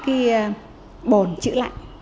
cái bồn chữ lạnh